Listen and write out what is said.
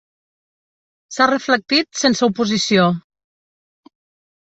S'ha reflectit sense oposició.